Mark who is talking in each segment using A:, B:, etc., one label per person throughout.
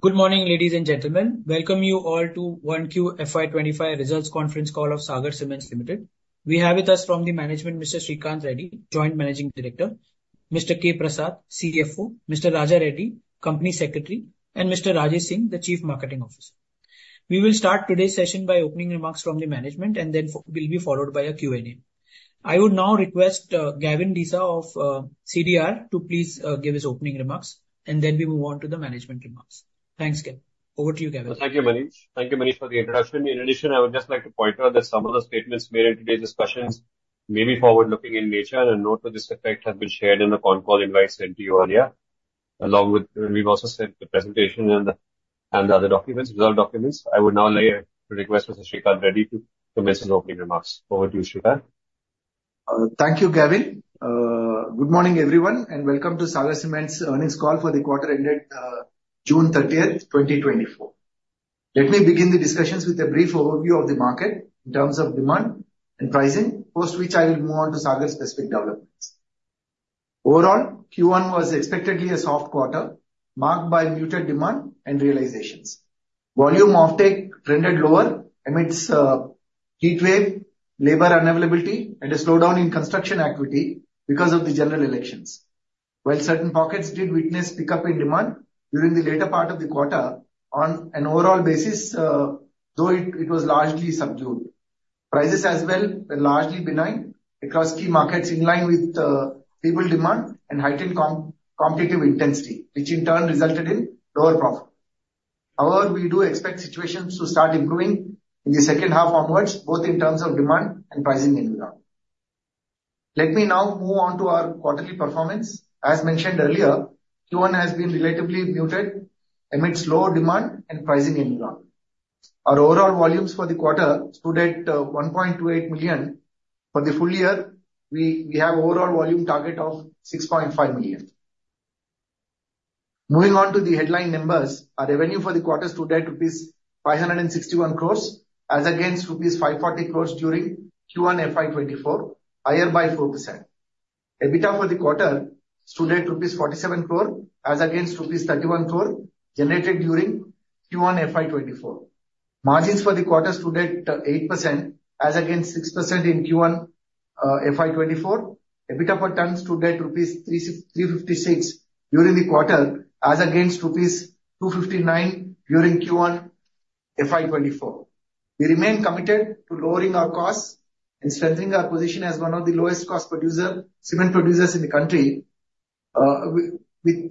A: Good morning, ladies and gentlemen. Welcome you all to Q1 FY25 results conference call of Sagar Cements Limited. We have with us from the management, Mr. Sreekanth Reddy, Joint Managing Director; Mr. K. Prasad, CFO; Mr. J. Raja Reddy, Company Secretary, and Mr. Rajesh Singh, the Chief Marketing Officer. We will start today's session by opening remarks from the management, and then will be followed by a Q&A. I would now request, Gavin Desa of, CDR, to please, give his opening remarks, and then we move on to the management remarks. Thanks, Gavin. Over to you, Gavin.
B: Thank you, Manish. Thank you, Manish, for the introduction. In addition, I would just like to point out that some of the statements made in today's discussions may be forward-looking in nature, and a note to this effect has been shared in the conf call invite sent to you earlier, along with, we've also sent the presentation and the other documents, relevant documents. I would now like to request Mr. Sreekanth Reddy to make his opening remarks. Over to you, Sreekanth.
C: Thank you, Gavin. Good morning, everyone, and welcome to Sagar Cements earnings call for the quarter ended June 30, 2024. Let me begin the discussions with a brief overview of the market in terms of demand and pricing, post which I will move on to Sagar-specific developments. Overall, Q1 was expectedly a soft quarter, marked by muted demand and realizations. Volume offtake trended lower amidst heat wave, labor unavailability, and a slowdown in construction activity because of the general elections. While certain pockets did witness pickup in demand during the later part of the quarter, on an overall basis, though it was largely subdued. Prices as well were largely benign across key markets, in line with feeble demand and heightened competitive intensity, which in turn resulted in lower profit. However, we do expect situations to start improving in the second half onwards, both in terms of demand and pricing environment. Let me now move on to our quarterly performance. As mentioned earlier, Q1 has been relatively muted amidst lower demand and pricing environment. Our overall volumes for the quarter stood at 1.28 million. For the full year, we, we have overall volume target of 6.5 million. Moving on to the headline numbers, our revenue for the quarter stood at rupees 561 crore, as against rupees 540 crore during Q1 FY 2024, higher by 4%. EBITDA for the quarter stood at rupees 47 crore, as against rupees 31 crore generated during Q1 FY 2024. Margins for the quarter stood at 8%, as against 6% in Q1, uh, FY 2024. EBITDA per ton stood at rupees 356 during the quarter, as against rupees 259 during Q1 FY 2024. We remain committed to lowering our costs and strengthening our position as one of the lowest-cost cement producers in the country. With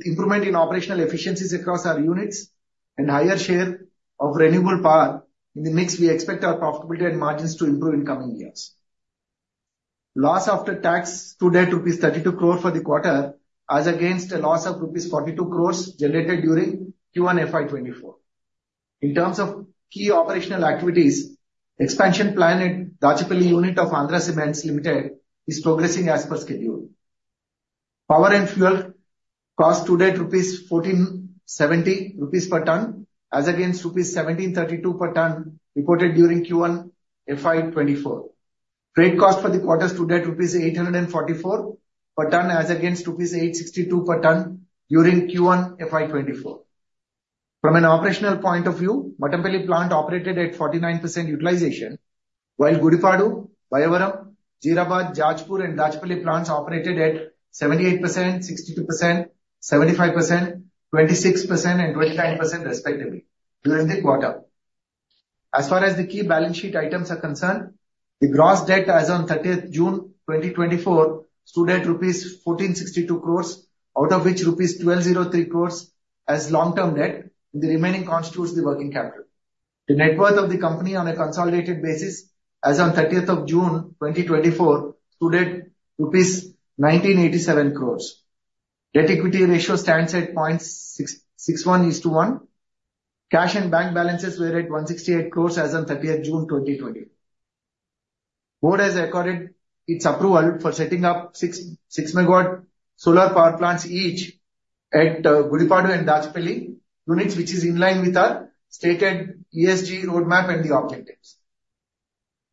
C: improvement in operational efficiencies across our units and higher share of renewable power in the mix, we expect our profitability and margins to improve in coming years. Loss after tax stood at rupees 32 crore for the quarter, as against a loss of rupees 42 crore generated during Q1 FY 2024. In terms of key operational activities, expansion plan at Dachepalli unit of Andhra Cements Limited is progressing as per schedule. Power and fuel cost stood at 1,470 rupees per ton, as against rupees 1,732 per ton reported during Q1 FY 2024. Freight cost for the quarter stood at rupees 844 per ton, as against rupees 862 per ton during Q1 FY 2024. From an operational point of view, Mattampally plant operated at 49% utilization, while Gudipadu, Bayyavaram, Jeerabad, Jajpur, and Dachepalli plants operated at 78%, 62%, 75%, 26%, and 25% respectively during the quarter. As far as the key balance sheet items are concerned, the gross debt as on 30 June 2024 stood at rupees 1,462 crores, out of which rupees 1,203 crores as long-term debt, and the remaining constitutes the working capital. The net worth of the company on a consolidated basis as on 30 June 2024 stood at rupees 1,987 crores. Net equity ratio stands at 0.661:1. Cash and bank balances were at 168 crore as on 30 June 2020. Board has recorded its approval for setting up 6.6-MW solar power plants, each at Gudipadu and Dachepalli units, which is in line with our stated ESG roadmap and the objectives.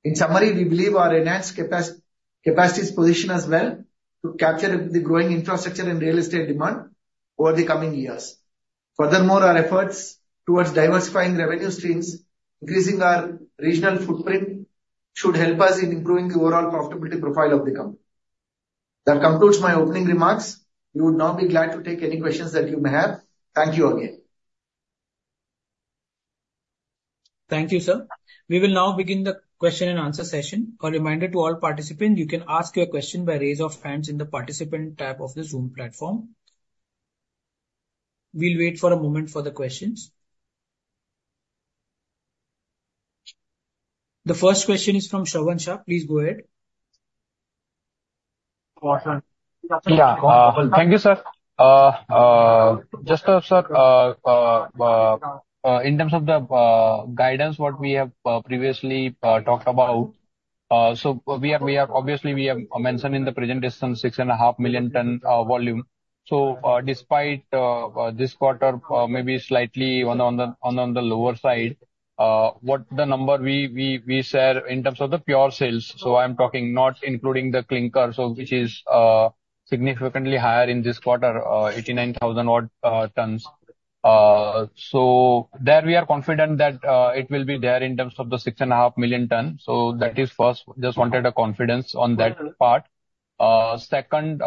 C: In summary, we believe our enhanced capacities position us well to capture the growing infrastructure and real estate demand over the coming years. Furthermore, our efforts towards diversifying revenue streams, increasing our regional footprint, should help us in improving the overall profitability profile of the company. That concludes my opening remarks. We would now be glad to take any questions that you may have. Thank you again.
A: Thank you, sir. We will now begin the question and answer session. A reminder to all participants, you can ask your question by raise of hands in the participant tab of the Zoom platform. We'll wait for a moment for the questions. The first question is from Shravan Shah. Please go ahead.
D: Yeah, thank you, sir. Just, sir, in terms of the guidance what we have previously talked about, so we have obviously, we have mentioned in the presentation 6.5 million ton volume. So, despite this quarter, maybe slightly on the lower side, what the number we share in terms of the pure sales, so I'm talking not including the clinker, so which is significantly higher in this quarter, 89,000 odd tons. So there we are confident that it will be there in terms of the 6.5 million tons. So that is first, just wanted a confidence on that part. Second,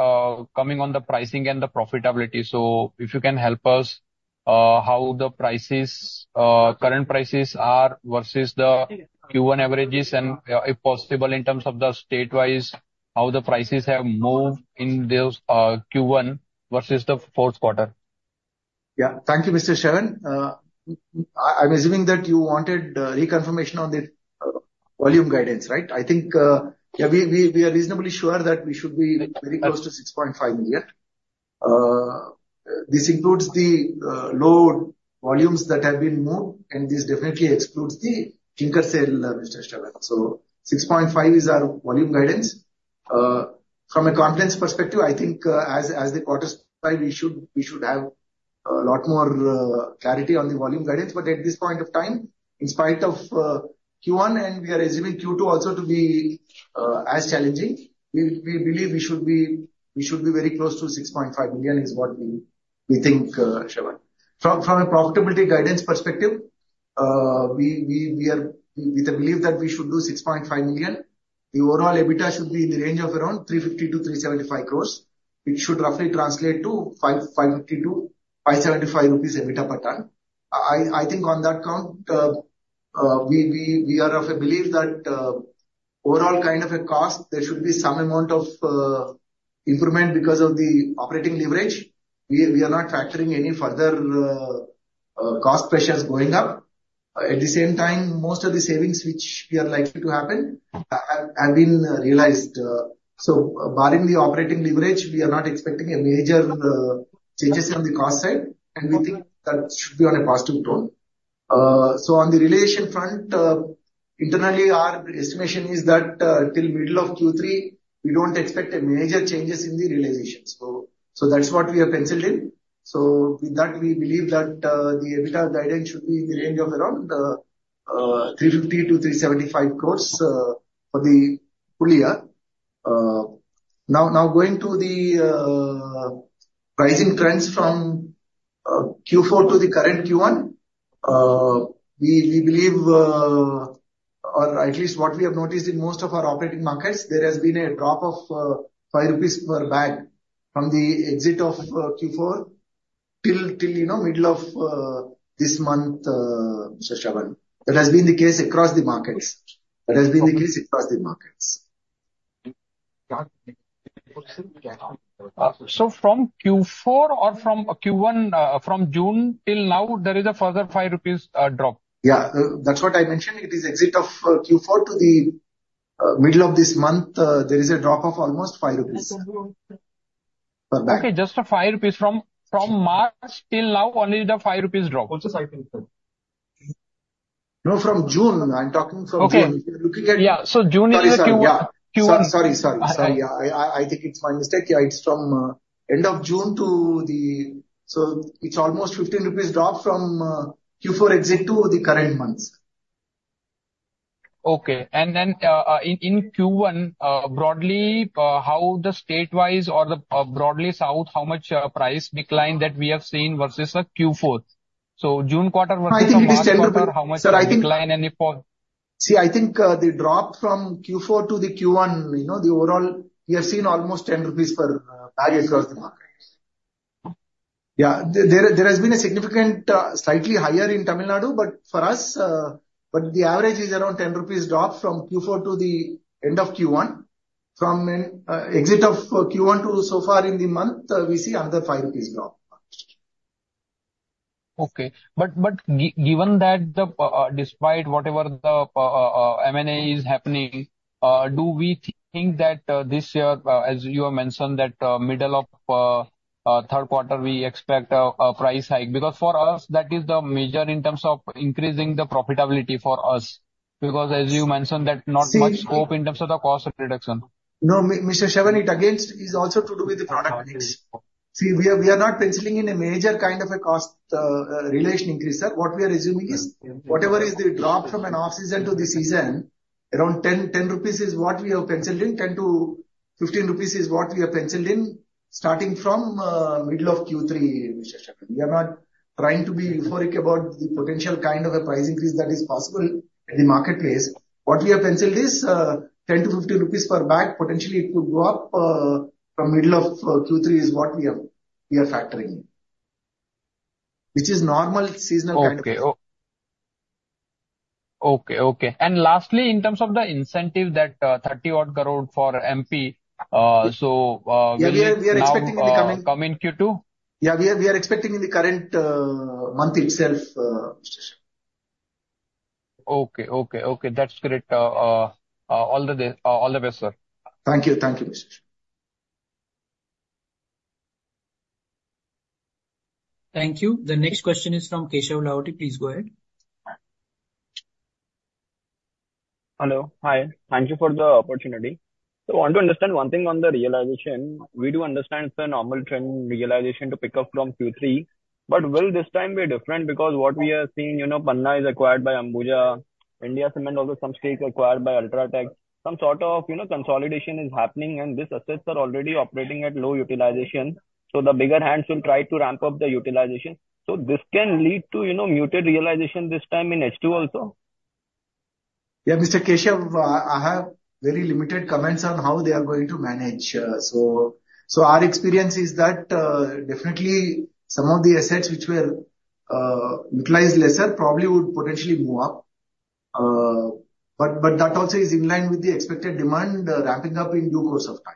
D: coming on the pricing and the profitability. So if you can help us, how the prices, current prices are versus the Q1 averages, and, if possible, in terms of the state-wise, how the prices have moved in this, Q1 versus the fourth quarter?
C: Yeah. Thank you, Mr. Shravan. I'm assuming that you wanted reconfirmation on the volume guidance, right? I think, yeah, we are reasonably sure that we should be very close to 6.5 million. This includes the sold volumes that have been moved, and this definitely excludes the clinker sale, Mr. Shravan. So 6.5 is our volume guidance. From a confidence perspective, I think, as the quarters slide, we should have a lot more clarity on the volume guidance. But at this point of time, in spite of Q1, and we are assuming Q2 also to be as challenging, we believe we should be very close to 6.5 million is what we think, Shravan. From a profitability guidance perspective, we are with a belief that we should do 6.5 million. The overall EBITDA should be in the range of around 350 to 375 crores. It should roughly translate to 550 to 575 rupees EBITDA per ton. I think on that count, we are of a belief that overall kind of a cost, there should be some amount of improvement because of the operating leverage. We are not factoring any further cost pressures going up. At the same time, most of the savings which we are likely to happen, have been realized. So barring the operating leverage, we are not expecting a major changes on the cost side, and we think that should be on a positive tone. So on the realization front, internally, our estimation is that, till middle of Q3, we don't expect a major changes in the realization. So that's what we have penciled in. So with that, we believe that, the EBITDA guidance should be in the range of around, 350 to 375 crores, for the full year. Now, going to the, pricing trends from Q4 to the current Q1, we believe, or at least what we have noticed in most of our operating markets, there has been a drop of 5 rupees per bag from the exit of Q4 till, you know, middle of this month, Mr. Shravan. That has been the case across the markets. That has been the case across the markets.
D: So from Q4 or from Q1, from June till now, there is a further 5 rupees drop?
C: Yeah, that's what I mentioned. It is exit of Q4 to the middle of this month, there is a drop of almost 5 rupees.
D: Okay, just 5 rupees. From March till now, only the 5 rupees drop.
C: No, from June. I'm talking from June.
D: Okay.
C: Looking at
D: Yeah. So June is the Q1.
C: Sorry, sorry. Yeah.
D: Q1.
C: Sorry, sorry, sorry. Yeah. I think it's my mistake. Yeah, it's from end of June to the... So it's almost 15 rupees drop from Q4 exit to the current month.
D: Okay. And then, in Q1, broadly, how the state-wise or the, broadly south, how much price decline that we have seen versus the Q4? So June quarter versus
C: I think it is INR 10.
D: March quarter, how much decline and if for
C: See, I think, the drop from Q4 to the Q1, you know, the overall, we have seen almost 10 rupees per bag across the market. Yeah. There, there has been a significant, slightly higher in Tamil Nadu, but for us, but the average is around 10 rupees drop from Q4 to the end of Q1. From, exit of Q1 to so far in the month, we see another 5 rupees drop.
D: Okay. But given that the, despite whatever the M&A is happening, do we think that this year, as you have mentioned, that middle of third quarter, we expect a price hike? Because for us, that is the major in terms of increasing the profitability for us, because as you mentioned, that not much-
C: See-
D: scope in terms of the cost reduction.
C: No, Mr. Shravan, it again is also to do with the product mix. See, we are, we are not penciling in a major kind of a cost realization increase, sir. What we are assuming is whatever is the drop from an off-season to the season, around 10, 10 rupees is what we have penciled in. 10 to 15 rupees is what we have penciled in, starting from middle of Q3, Mr. Shravan. We are not trying to be euphoric about the potential kind of a price increase that is possible in the marketplace. What we have penciled is 10 to 15 rupees per bag, potentially it could go up from middle of Q3 is what we are, we are factoring in. Which is normal seasonal kind of-
D: Okay, okay. And lastly, in terms of the incentive, that 30 crore for MP, so we need now-
C: Yeah, we are, we are expecting in the coming
D: Come in Q2?
C: Yeah, we are expecting in the current month itself, Mr. Shevan.
D: Okay, okay, okay. That's great. All the best, all the best, sir.
C: Thank you. Thank you, Mr. Shevan.
A: Thank you. The next question is from Keshav Lahoti. Please go ahead.
E: Hello. Hi, thank you for the opportunity. So I want to understand one thing on the realization. We do understand the normal trend realization to pick up from Q3,. But will this time be different? Because what we are seeing, you know, Penna is acquired by Ambuja. India Cements, also some states acquired by UltraTech. Some sort of, you know, consolidation is happening, and these assets are already operating at low utilization, so the bigger hands will try to ramp up the utilization. So this can lead to, you know, muted realization this time in H2 also?
C: Yeah, Mr. Keshav, I have very limited comments on how they are going to manage. So, so our experience is that, definitely some of the assets which were, utilized lesser, probably would potentially move up. But, but that also is in line with the expected demand, ramping up in due course of time.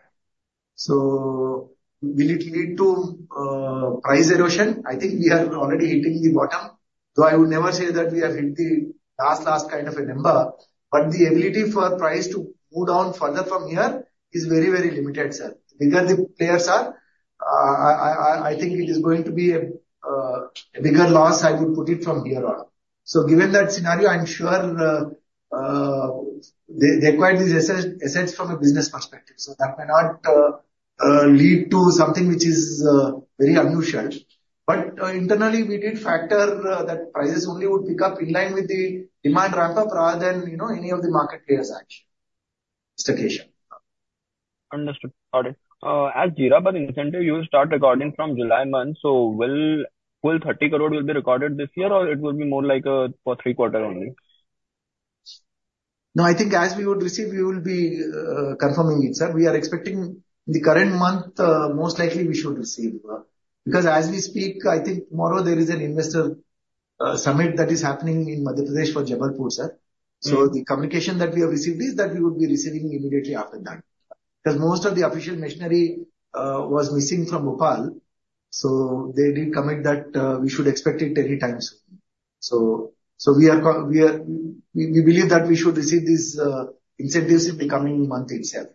C: So will it lead to, price erosion? I think we are already hitting the bottom, though I would never say that we have hit the last, last kind of a number, but the ability for price to move down further from here is very, very limited, sir. Because the players are, I think it is going to be a bigger loss, I would put it from here on. So given that scenario, I'm sure they acquired these assets, assets from a business perspective, so that may not lead to something which is very unusual. But internally, we did factor that prices only would pick up in line with the demand ramp-up rather than, you know, any of the market players' action. Mr. Keshav.
E: Understood. Got it. As Jeerabad incentive, you will start recording from July month, so will full 30 crore will be recorded this year, or it will be more like, for three quarters only?
C: No, I think as we would receive, we will be, confirming it, sir. We are expecting the current month, most likely we should receive. Because as we speak, I think tomorrow there is an investor, summit that is happening in Madhya Pradesh for Jabalpur, sir. So the communication that we have received is that we would be receiving immediately after that. Because most of the official machinery, was missing from Bhopal, so they did commit that, we should expect it anytime soon. So, we believe that we should receive these, incentives in the coming month itself.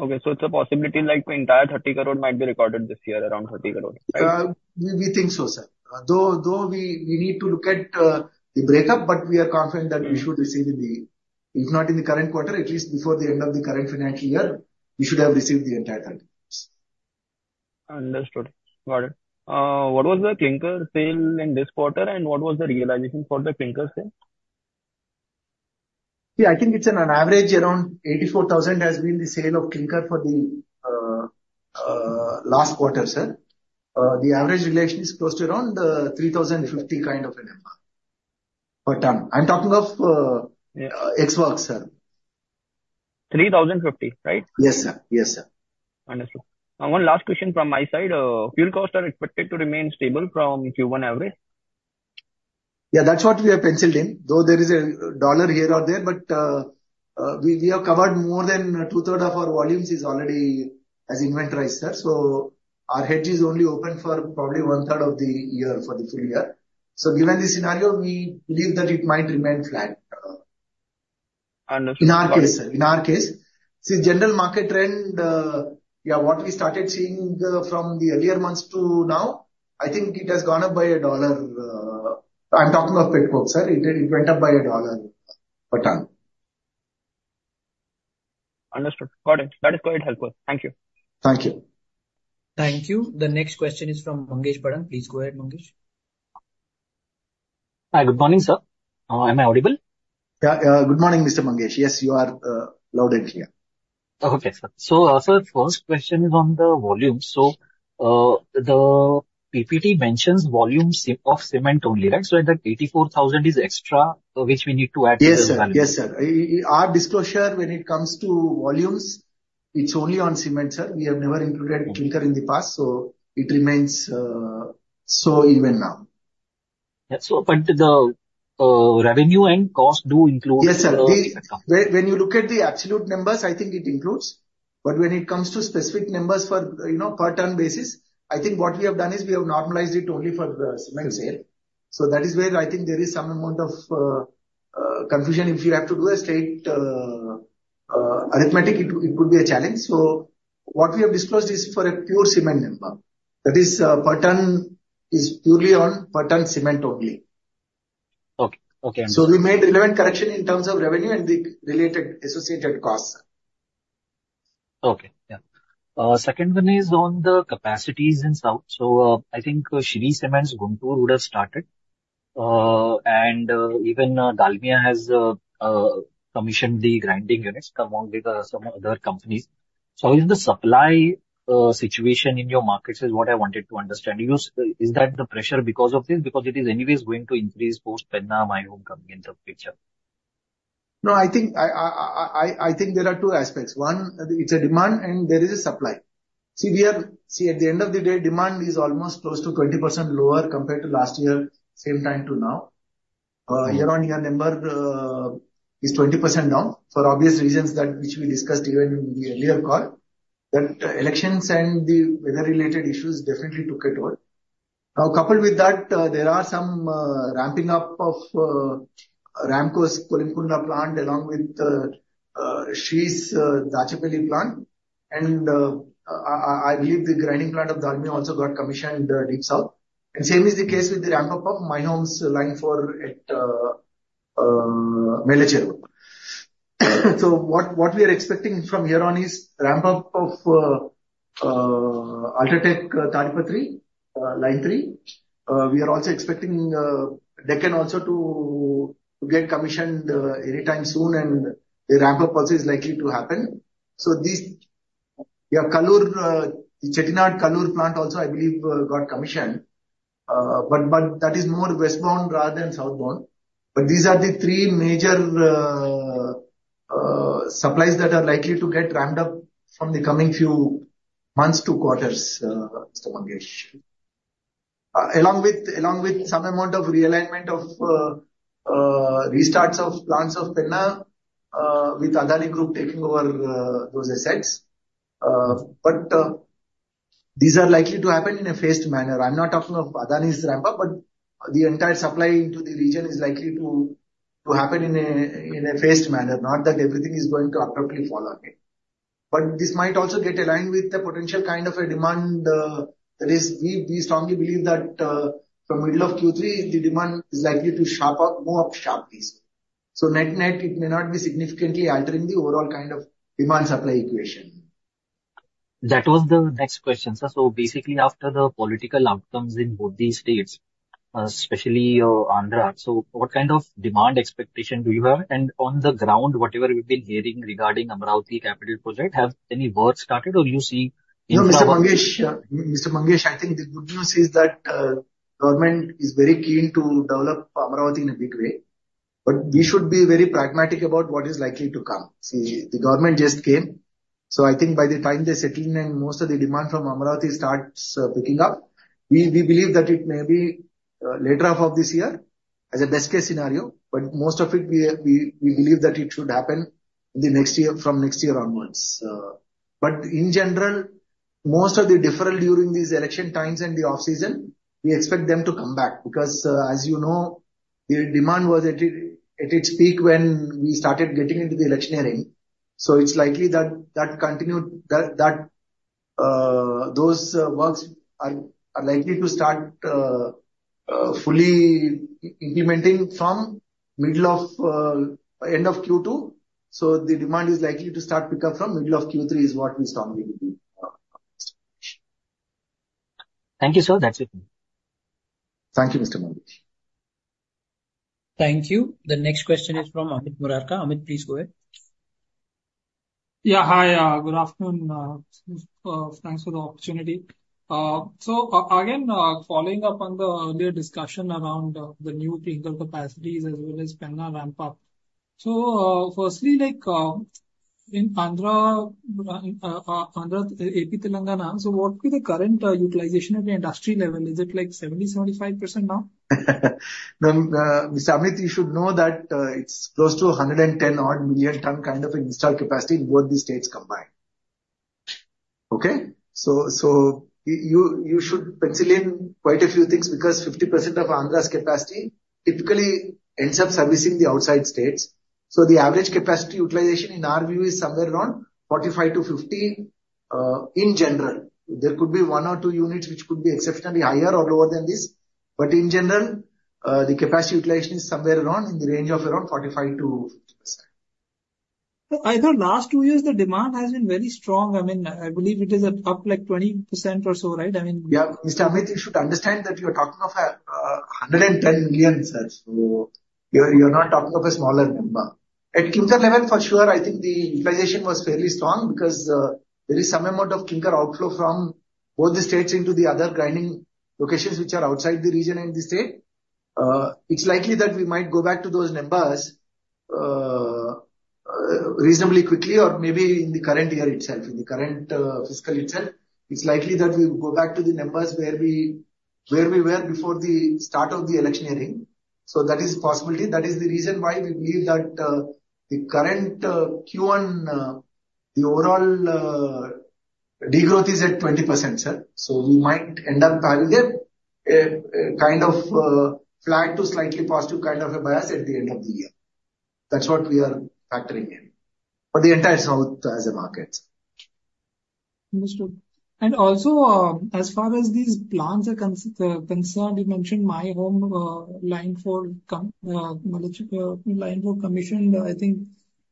E: Okay, so it's a possibility, like, the entire 30 crore might be recorded this year, around 30 crore, right?
C: We think so, sir. Though we need to look at the breakup, but we are confident that we should receive the, If not in the current quarter, at least before the end of the current financial year, we should have received the entire 30.
E: Understood. Got it. What was the clinker sale in this quarter, and what was the realization for the clinker sale?
C: Yeah, I think it's on an average, around 84,000 has been the sale of clinker for the last quarter, sir. The average realization is close to around 3,050 kind of an amount per ton. I'm talking of-
E: Yeah.
C: Exworks, sir.
E: 3,050, right?
C: Yes, sir. Yes, sir.
E: Understood. One last question from my side. Fuel costs are expected to remain stable from Q1 average?
C: Yeah, that's what we have penciled in. Though there is a dollar here or there, but we have covered more than two-thirds of our volumes is already inventoried, sir. So our hedge is only open for probably one-third of the year, for the full year. So given this scenario, we believe that it might remain flat.
E: Understood.
C: In our case, sir. In our case. See, general market trend, yeah, what we started seeing, from the earlier months to now, I think it has gone up by $1. I'm talking of pet coke, sir. It, it went up by $1 per ton.
E: Understood. Got it. That is quite helpful. Thank you.
C: Thank you.
A: Thank you. The next question is from Mangesh Bhadang. Please go ahead, Mangesh.
F: Hi, good morning, sir. Am I audible?
C: Yeah, good morning, Mr. Mangesh. Yes, you are, loud and clear.
F: Okay, sir. So, sir, first question is on the volume. So, the PPT mentions volumes of cement only, right? So the 84,000 is extra, which we need to add to the-
C: Yes, sir. Yes, sir. Our disclosure when it comes to volumes, it's only on cement, sir. We have never included clinker in the past, so it remains, so even now.
F: Yeah, so but the revenue and cost do include the
C: Yes, sir. The, when you look at the absolute numbers, I think it includes, but when it comes to specific numbers for, you know, per ton basis, I think what we have done is we have normalized it only for the cement sale. So that is where I think there is some amount of confusion. If you have to do a straight arithmetic, it would be a challenge. So what we have disclosed is for a pure cement number. That is, per ton, is purely on per ton cement only.
F: Okay. Okay.
C: We made relevant correction in terms of revenue and the related associated costs.
F: Okay, yeah. Second one is on the capacities in South. So, I think Shree Cement's Guntur would have started, and even Dalmia has commissioned the grinding units, along with some other companies. So is the supply situation in your markets, is what I wanted to understand. You use, is that the pressure because of this? Because it is anyways going to increase post Penna, My Home coming into the picture.
C: No, I think there are two aspects. One, it's a demand and there is a supply. See, at the end of the day, demand is almost close to 20% lower compared to last year, same time to now. Year-on-year number is 20% down, for obvious reasons that which we discussed even in the earlier call. That elections and the weather-related issues definitely took a toll. Now, coupled with that, there are some ramping up of Ramco's Kolimigundla plant, along with Shree's Dachepalli plant. And I believe the grinding plant of Dalmia also got commissioned in the deep south. And same is the case with the ramp-up of My Home's line at Mellacheruvu. So what we are expecting from here on is ramp up of UltraTech Tadipatri line three. We are also expecting Deccan also to get commissioned anytime soon, and a ramp-up policy is likely to happen. So this, your Kallur, the Chettinad Kallur plant also, I believe, got commissioned. But that is more west bound rather than south bound. But these are the three major supplies that are likely to get ramped up from the coming few months to quarters, Mr. Mangesh. Along with some amount of realignment of restarts of plants of Penna, with Adani Group taking over those assets. But these are likely to happen in a phased manner. I'm not talking of Adani's ramp-up, but the entire supply into the region is likely to happen in a phased manner. Not that everything is going to abruptly fall on it. But this might also get aligned with the potential kind of a demand, that is, we strongly believe that, from middle of Q3, the demand is likely to sharp up, go up sharply. So net, it may not be significantly altering the overall kind of demand-supply equation.
F: That was the next question, sir. So basically, after the political outcomes in both these states, especially, Andhra, so what kind of demand expectation do you have? And on the ground, whatever you've been hearing regarding Amaravati capital project, have any work started or you see in our-
C: No, Mr. Mangesh, Mr. Mangesh, I think the good news is that government is very keen to develop Amaravati in a big way, but we should be very pragmatic about what is likely to come. See, the government just came, so I think by the time they settle in and most of the demand from Amaravati starts picking up, we believe that it may be later half of this year as a best case scenario, but most of it, we believe that it should happen in the next year, from next year onwards. But in general, most of the deferral during these election times and the off-season, we expect them to come back, because, as you know, the demand was at its peak when we started getting into the electioneering. So it's likely that that continued, that those works are likely to start fully implementing from middle of end of Q2. So the demand is likely to start pick up from middle of Q3, is what we strongly believe.
F: Thank you, sir. That's it.
C: Thank you, Mr. Mangesh.
A: Thank you. The next question is from Amit Murarka. Amit, please go ahead.
G: Yeah, hi, good afternoon, thanks for the opportunity. So, again, following up on the earlier discussion around the new clinker capacities as well as Penna ramp-up. So, firstly, like, in Andhra, AP, Telangana, so what would be the current utilization at the industry level? Is it like 70-75% now?
C: Then, Mr. Amit, you should know that it's close to 110 odd million ton kind of an installed capacity in both these states combined. Okay? So, you should pencil in quite a few things, because 50% of Andhra's capacity typically ends up servicing the outside states. So the average capacity utilization in our view is somewhere around 45 to 50, in general. There could be one or two units which could be exceptionally higher or lower than this, but in general, the capacity utilization is somewhere around, in the range of around 45% to 50%.
G: I thought last two years, the demand has been very strong. I mean, I believe it is at up, like, 20% or so, right? I mean
C: Yeah. Mr. Amit, you should understand that you're talking of 110 million, sir, so you're, you're not talking of a smaller number. At clinker level, for sure, I think the utilization was fairly strong because there is some amount of clinker outflow from both the states into the other grinding locations which are outside the region and the state. It's likely that we might go back to those numbers reasonably quickly or maybe in the current year itself, in the current fiscal itself. It's likely that we'll go back to the numbers where we, where we were before the start of the electioneering. So that is a possibility. That is the reason why we believe that the current Q1, the overall degrowth is at 20%, sir. So we might end up having a kind of flat to slightly positive kind of a bias at the end of the year. That's what we are factoring in for the entire south as a market.
G: Understood. And also, as far as these plants are concerned, you mentioned My Home, line four, line four commissioned, I think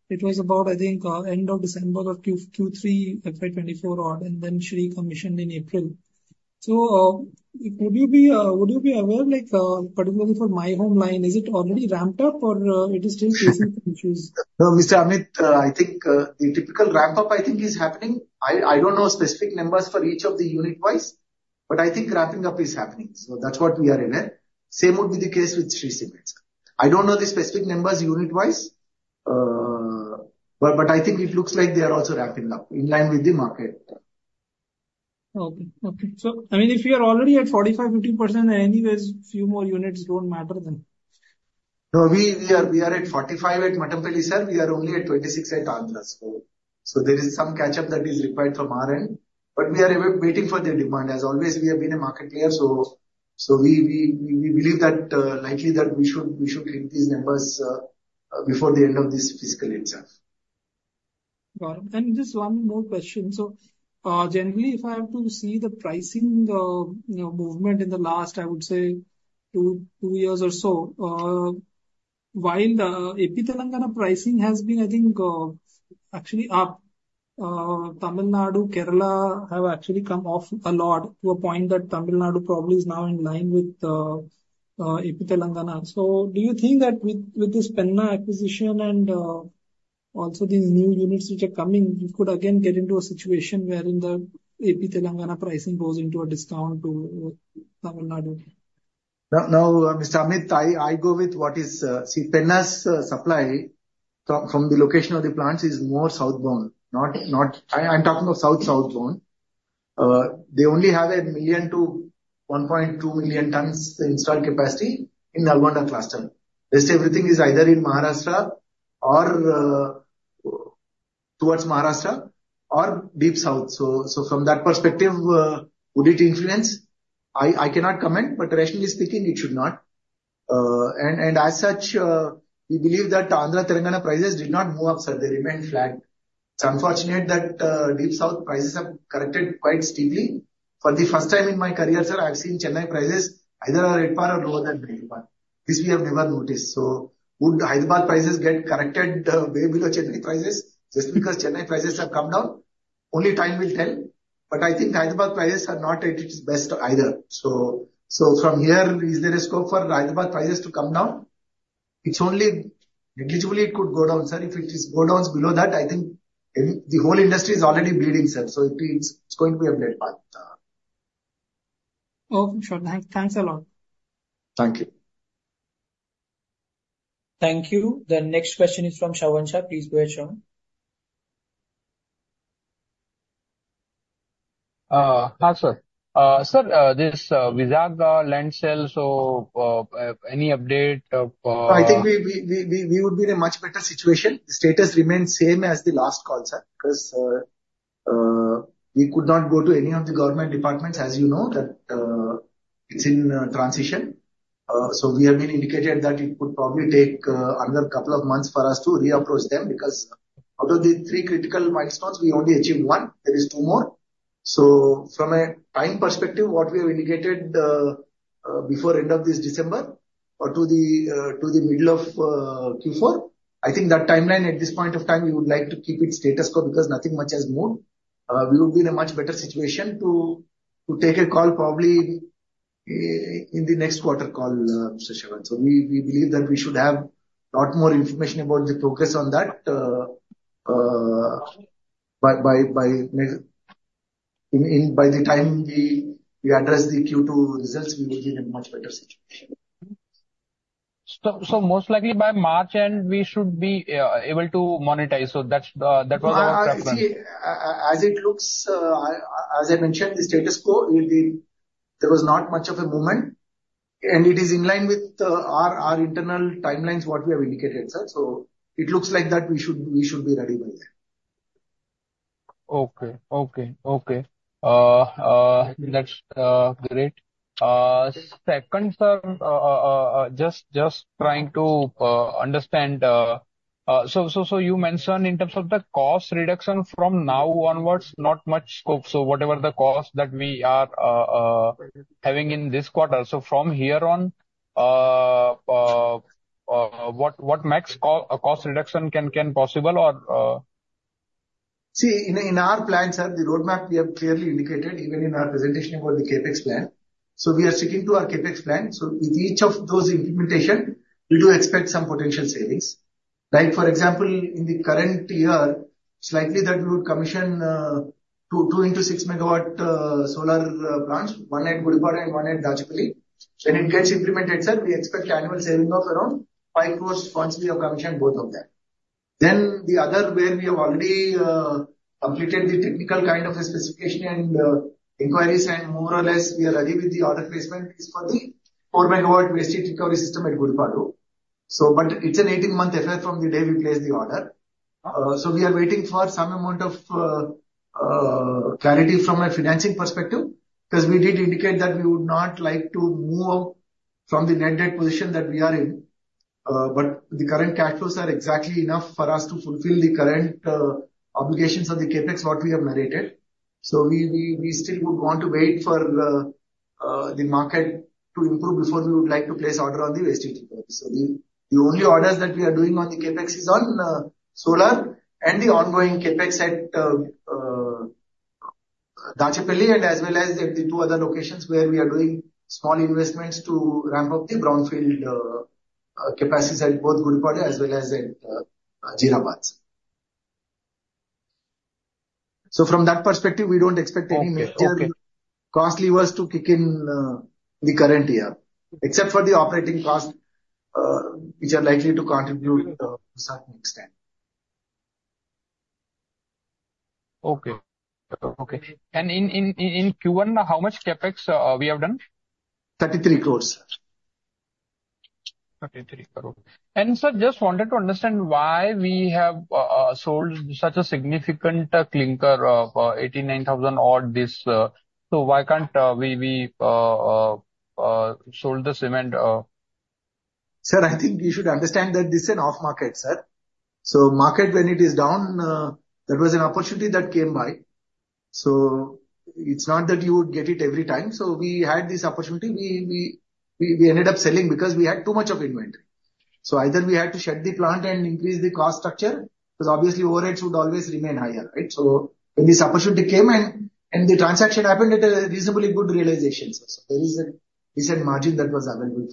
G: it was about, I think, end of December or Q3, FY 2024 odd, and then Shree commissioned in April. So, would you be, would you be aware, like, particularly for My Home line, is it already ramped up or, it is still facing issues?
C: No, Mr. Amit, I think the typical ramp-up, I think, is happening. I don't know specific numbers for each of the unit-wise, but I think ramping up is happening, so that's what we are in it. Same would be the case with Shree Cement. I don't know the specific numbers unit-wise, but I think it looks like they are also ramping up in line with the market.
G: Okay. Okay. So, I mean, if you are already at 45% to 50%, anyways, few more units don't matter then.
C: No, we are at 45 at Mattampally, sir. We are only at 26 at Andhra. So there is some catch-up that is required from our end, but we are waiting for the demand. As always, we have been a market player, so we believe that likely we should hit these numbers before the end of this fiscal itself....
G: Got it. And just one more question. So, generally, if I have to see the pricing, you know, movement in the last, I would say, two, two years or so, while the AP Telangana pricing has been, I think, actually up, Tamil Nadu, Kerala, have actually come off a lot to a point that Tamil Nadu probably is now in line with, AP Telangana. So do you think that with, with this Penna acquisition and, also these new units which are coming, you could again get into a situation wherein the AP Telangana pricing goes into a discount to Tamil Nadu?
C: No, no, Mr. Amit, I go with what is, see Penna's supply from the location of the plants is more southbound, not. I'm talking of south, southbound. They only have 1 million to 1.2 million tons installed capacity in the Nalgonda cluster. Rest everything is either in Maharashtra or towards Maharashtra or Deep South. So from that perspective, would it influence? I cannot comment, but rationally speaking, it should not. And as such, we believe that Andhra Telangana prices did not move up, sir. They remained flat. It's unfortunate that Deep South prices have corrected quite steeply. For the first time in my career, sir, I have seen Chennai prices either at par or lower than great par. This we have never noticed. So would Hyderabad prices get corrected way below Chennai prices just because Chennai prices have come down? Only time will tell, but I think the Hyderabad prices are not at its best either. So, so from here, is there a scope for Hyderabad prices to come down? It's only negligibly it could go down, sir. If it is go down below that, I think the whole industry is already bleeding, sir. So it means it's going to be a late part.
G: Oh, sure. Thanks a lot.
C: Thank you.
H: Thank you. The next question is from Shravan. Please go ahead, Shravan.
I: Hi, sir. Sir, this Vizag land sale, so any update of-
C: I think we would be in a much better situation. The status remains same as the last call, sir, because we could not go to any of the government departments, as you know, that it's in transition. So we have been indicated that it could probably take another couple of months for us to reapproach them, because out of the three critical milestones, we only achieved one. There is two more. So from a time perspective, what we have indicated before end of this December or to the middle of Q4, I think that timeline, at this point of time, we would like to keep it status quo because nothing much has moved. We would be in a much better situation to take a call, probably in the next quarter call, Mr. Shravan. So we believe that we should have a lot more information about the focus on that by the time we address the Q2 results, we will be in a much better situation.
I: So, so most likely by March end, we should be able to monetize. So that's, that was our preference.
C: You see, as it looks, as I mentioned, the status quo will be, there was not much of a movement, and it is in line with our internal timelines, what we have indicated, sir. So it looks like that we should be ready by then.
I: Okay. Okay. Okay. That's great. Second, sir, just trying to understand. So, so, so you mentioned in terms of the cost reduction from now onwards, not much scope. So whatever the cost that we are having in this quarter, so from here on, what maximum cost reduction can possible or-
C: See, in, in our plans, sir, the roadmap we have clearly indicated even in our presentation about the CapEx plan. So we are sticking to our CapEx plan. So with each of those implementation, we do expect some potential savings. Like for example, in the current year, slightly that we would commission 2 2x6 MW solar plants, one at Gudipadu and one at Dachepalli. When it gets implemented, sir, we expect annual saving of around 5 crores once we have commissioned both of them. Then the other, where we have already completed the technical kind of a specification and inquiries, and more or less, we are ready with the order placement, is for the 4 MW waste recovery system at Gudipadu. So but it's an 18-month effect from the day we place the order. So we are waiting for some amount of clarity from a financing perspective, because we did indicate that we would not like to move up from the net debt position that we are in. But the current cash flows are exactly enough for us to fulfill the current obligations on the CapEx, what we have narrated. So we still would want to wait for the market to improve before we would like to place order on the waste heat recovery. So the only orders that we are doing on the CapEx is on solar and the ongoing CapEx at Dachepalli and as well as at the two other locations where we are doing small investments to ramp up the brownfield capacities at both Gudipadu as well as at Satguru
I: Mm-hmm.
C: So from that perspective, we don't expect any-
I: Okay, okay.
C: Material cost levers to kick in the current year, except for the operating costs, which are likely to continue to a certain extent.
I: Okay. And in Q1, how much CapEx we have done?
C: 33 crore, sir.
I: 33 crore. And sir, just wanted to understand why we have sold such a significant clinker, 89,000 odd this... So why can't we, we sold the cement?
C: Sir, I think you should understand that this is an off market, sir. So market, when it is down, there was an opportunity that came by, so it's not that you would get it every time. So we had this opportunity. We ended up selling because we had too much of inventory. So either we had to shut the plant and increase the cost structure, because obviously overheads would always remain higher, right? So when this opportunity came and the transaction happened at a reasonably good realization. So there is a decent margin that was available.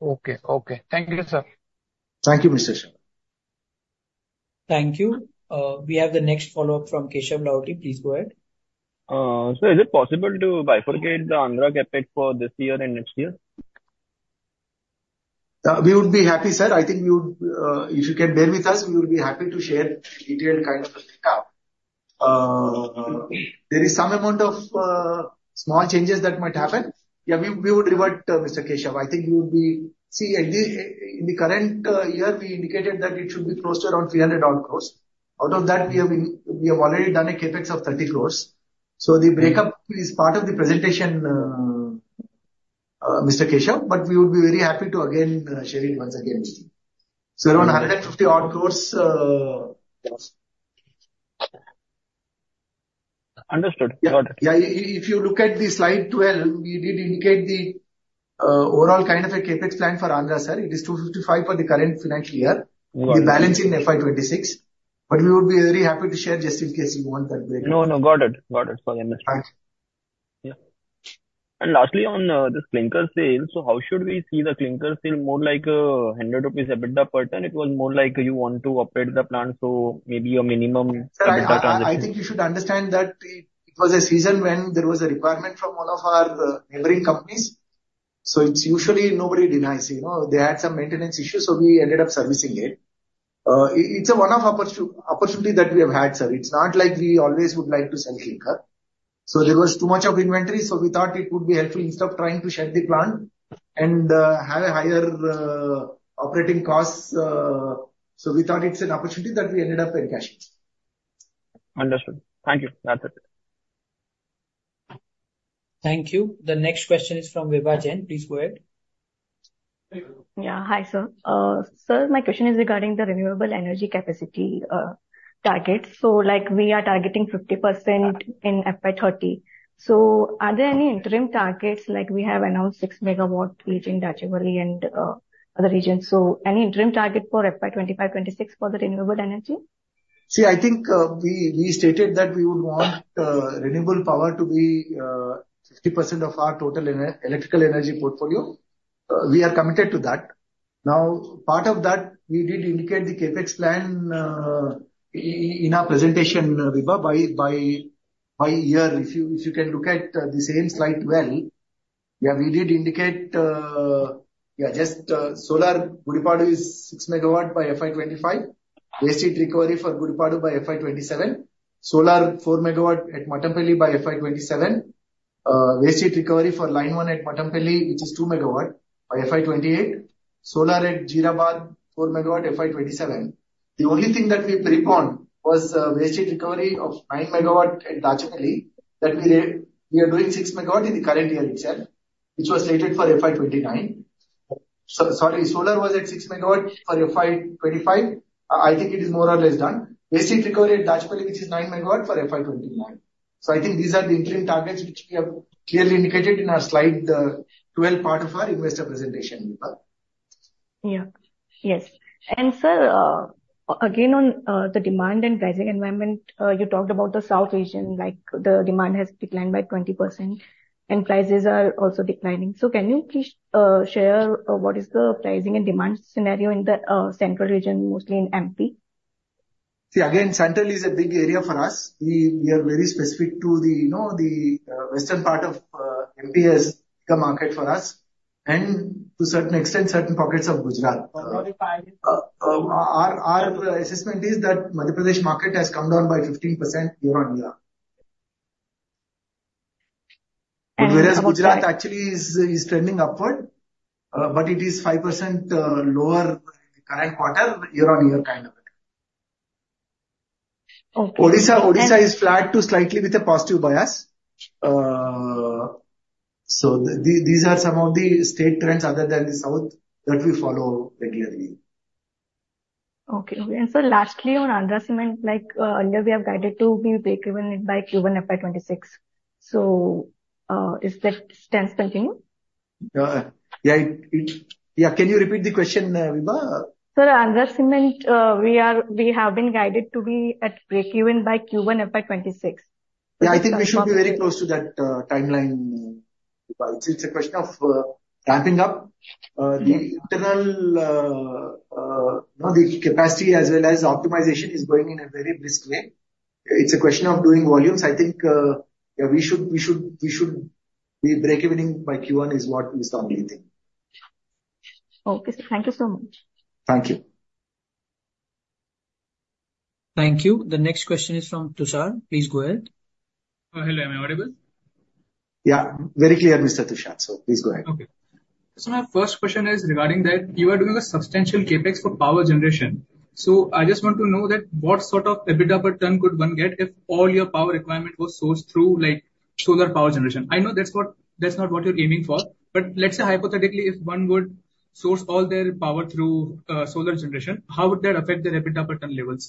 I: Okay. Okay. Thank you, sir.
C: Thank you, Mr. Sharma.
A: Thank you. We have the next follow-up from Keshav Lahoti. Please go ahead.
E: Sir, is it possible to bifurcate the Andhra CapEx for this year and next year?
C: We would be happy, sir. I think we would, if you can bear with us, we would be happy to share detailed kind of a breakdown. There is some amount of small changes that might happen. We would revert, Mr. Keshav. I think you would be... See, at the, in the current year, we indicated that it should be close to around 300 odd crores. Out of that, we have already done a CapEx of 30 crores. So the breakup is part of the presentation, Mr. Keshav, but we would be very happy to again share it once again with you. So around INR 150 odd crores.
E: Understood. Got it.
C: Yeah. If you look at the slide 12, we did indicate the overall kind of a CapEx plan for Andhra, sir. It is INR 255 for the current financial year-
E: Got it.
C: with the balance in FY 2026, but we would be very happy to share, just in case you want that breakdown.
E: No, no. Got it, got it. Sorry, I missed it.
C: Thanks.
E: Yeah. And lastly, on this clinker sale, so how should we see the clinker sale? More like 100 rupees EBITDA per ton. It was more like you want to operate the plant, so maybe a minimum EBITDA transition.
C: Sir, I think you should understand that it was a season when there was a requirement from one of our neighboring companies, so it's usually nobody denies you. You know, they had some maintenance issues, so we ended up servicing it. It's a one-off opportunity that we have had, sir. It's not like we always would like to sell clinker. So there was too much of inventory, so we thought it would be helpful instead of trying to shut the plant and have a higher operating costs. So we thought it's an opportunity that we ended up encashing.
E: Understood. Thank you. That's it.
A: Thank you. The next question is from Vibha Jain. Please go ahead.
J: Yeah. Hi, sir. Sir, my question is regarding the renewable energy capacity target. So, like, we are targeting 50% in FY 2030. So are there any interim targets, like we have announced 6 MW each in Dachepalli and other regions. So any interim target for FY 2025, 2026 for the renewable energy?
C: See, I think, we stated that we would want renewable power to be 50% of our total electrical energy portfolio. We are committed to that. Now, part of that, we did indicate the CapEx plan in our presentation, Vibha, by year. If you can look at the same slide 12, yeah, we did indicate... Yeah, just solar Gudipadu is 6 MW by FY 2025. Waste heat recovery for Gudipadu by FY 2027. Solar 4 MW at Mattampally by FY 2027. Waste heat recovery for line one at Mattampally, which is 2 MW, by FY 2028. Solar at Jeerabad, 4 MW, FY 2027. The only thing that we preponed was waste heat recovery of 9 megawatts at Dachepalli, that we are doing 6 megawatts in the current year itself, which was slated for FY 2029. Sorry, solar was at 6 MW for FY 2025. I think it is more or less done. Waste heat recovery at Dachepalli, which is 9 MW, for FY 2029. So I think these are the interim targets, which we have clearly indicated in our slide 12, part of our investor presentation, Vibha.
J: Yeah. Yes. And sir, again, on the demand and pricing environment, you talked about the South Asian, like the demand has declined by 20% and prices are also declining. So can you please share what is the pricing and demand scenario in the central region, mostly in MP?
C: See, again, central is a big area for us. We are very specific to the, you know, the, western part of, MP as the market for us, and to certain extent, certain pockets of Gujarat.
J: Got it.
C: Our assessment is that Madhya Pradesh market has come down by 15% year-on-year.
J: And-
C: Whereas Gujarat actually is trending upward, but it is 5% lower current quarter, year-on-year kind of it.
J: Okay.
C: Odisha, Odisha is flat to slightly with a positive bias. So these are some of the state trends other than the South, that we follow regularly.
J: Okay. Okay. And sir, lastly, on Andhra Cement, like, earlier, we have guided to be breakeven it by Q1 FY 2026. So, is that stance continuing?
C: Yeah, can you repeat the question, Vibha?
J: Sir, Andhra Cements, we have been guided to be at breakeven by Q1 FY 2026.
C: Yeah, I think we should be very close to that timeline, Vibha. It's a question of ramping up.
J: Mm-hmm.
C: The internal, you know, the capacity as well as optimization is going in a very brisk way. It's a question of doing volumes. I think, yeah, we should, we should, we should be breakevening by Q1 is what is the only thing.
J: Okay, sir. Thank you so much.
C: Thank you.
A: Thank you. The next question is from Tushar. Please go ahead.
K: Hello, am I audible?
C: Yeah, very clear, Mr. Tushar, so please go ahead.
K: Okay. So my first question is regarding that you are doing a substantial CapEx for power generation. So I just want to know that what sort of EBITDA return could one get if all your power requirement was sourced through, like, solar power generation? I know that's what - that's not what you're aiming for, but let's say hypothetically, if one would source all their power through solar generation, how would that affect their EBITDA return levels?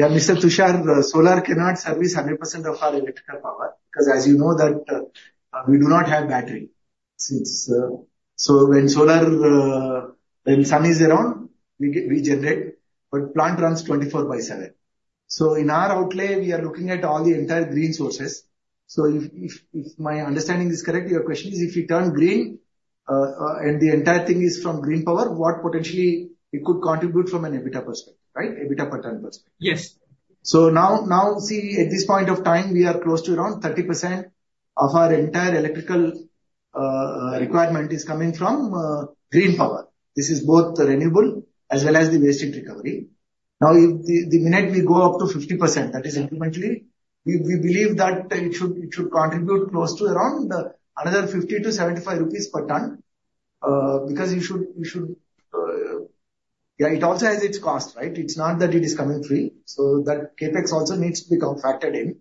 C: Yeah, Mr. Tushar, solar cannot service 100% of our electrical power, because as you know that, we do not have battery. Since, so when solar, when sun is around, we get- we generate, but plant runs 24/7. So in our outlook, we are looking at all the entire green sources. So if, if, if my understanding is correct, your question is, if we turn green, and the entire thing is from green power, what potentially it could contribute from an EBITDA perspective, right? EBITDA per ton perspective.
K: Yes.
C: So now, see, at this point of time, we are close to around 30% of our entire electrical requirement is coming from green power. This is both renewable as well as the waste recovery. Now, if the minute we go up to 50%, that is incrementally, we believe that it should contribute close to around another 50 to 75 rupees per ton, because you should... Yeah, it also has its cost, right? It's not that it is coming free, so that CapEx also needs to become factored in.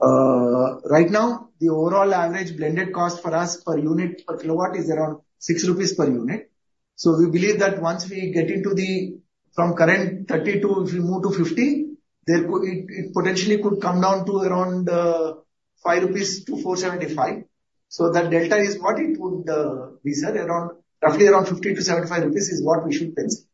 C: Right now, the overall average blended cost for us per unit, per kilowatt, is around 6 rupees per unit. So we believe that once we get into the from current 30 to if we move to 50, the cost it potentially could come down to around 5 rupees to 475. So that delta is what it would be, sir, around roughly around 50 to 75 rupees is what we should expect.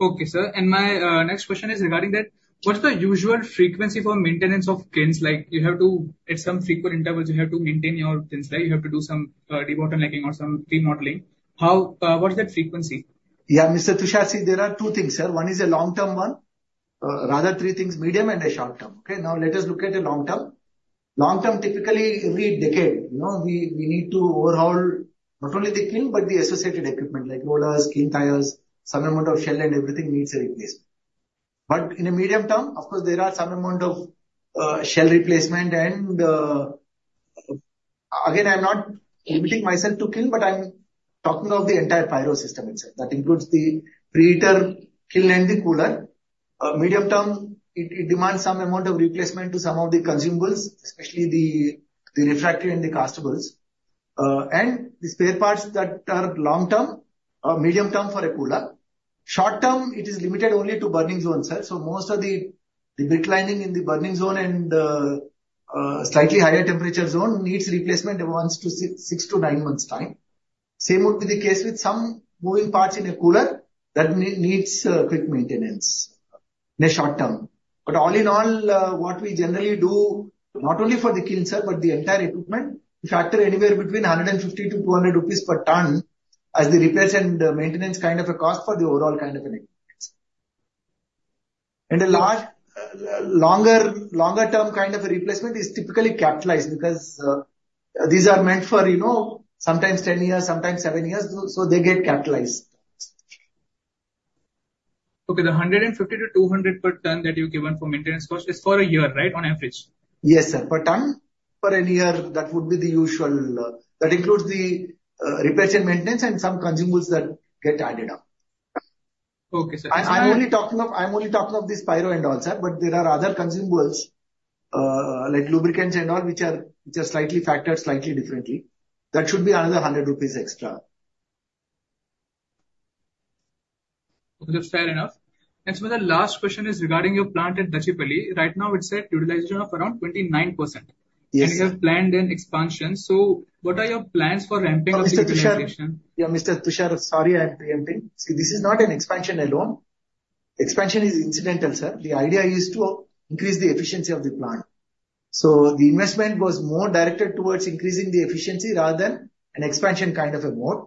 K: Okay, sir. And my next question is regarding that. What's the usual frequency for maintenance of kilns? Like, you have to, at some frequent intervals, you have to maintain your kilns, right? You have to do some brick lining or kiln relining. How, what's that frequency?
C: Yeah, Mr. Tushar, see, there are two things, sir. One is a long-term one, rather, three things, medium and a short term. Okay, now let us look at the long term. Long term, typically every decade, you know, we need to overhaul not only the kiln, but the associated equipment, like motors, kiln tires, some amount of shell and everything needs a replacement. But in a medium term, of course, there are some amount of shell replacement and again, I'm not limiting myself to kiln, but I'm talking of the entire pyro system itself. That includes the preheater, kiln and the cooler. Medium term, it demands some amount of replacement to some of the consumables, especially the refractory and the castables, and the spare parts that are long term, medium term for a cooler. Short term, it is limited only to burning zone, sir. So most of the brick lining in the burning zone and slightly higher temperature zone needs replacement every six to nine months' time. Same would be the case with some moving parts in a cooler that needs quick maintenance in the short term. But all in all, what we generally do, not only for the kiln, sir, but the entire equipment, we factor anywhere between 150 to 200 rupees per ton as the repairs and maintenance kind of a cost for the overall kind of an equipment. And a large longer-term kind of a replacement is typically capitalized because these are meant for, you know, sometimes 10 years, sometimes 7 years, so they get capitalized.
K: Okay, the 150 to 200 per ton that you've given for maintenance cost is for a year, right, on average?
C: Yes, sir, per ton, per a year, that would be the usual. That includes the repairs and maintenance and some consumables that get added up.
K: Okay, sir.
C: I'm only talking of this pyro and all, sir, but there are other consumables like lubricants and all, which are slightly factored differently. That should be another 100 rupees extra.
K: Okay, that's fair enough. And so the last question is regarding your plant at Dachepalli. Right now, it's at utilization of around 29%.
C: Yes.
K: You have planned an expansion. So what are your plans for ramping up the utilization?
C: Mr. Tushar... Yeah, Mr. Tushar, sorry, I'm preempting. See, this is not an expansion alone. Expansion is incidental, sir. The idea is to increase the efficiency of the plant. So the investment was more directed towards increasing the efficiency rather than an expansion kind of a mode.